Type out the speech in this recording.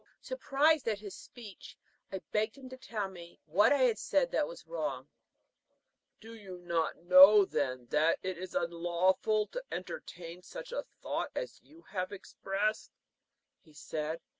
Surprised at this speech, I begged him to tell me what I had said that was wrong. "Do you not then know that it is unlawful to entertain such a thought as you have expressed?" he said.